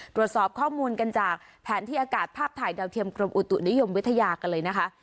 ตรวจสอบข้อมูลกันจากแผนที่อากาศภาพถ่ายดาวเทียมกรมอุตุนิยมวิทยากันเลยนะคะ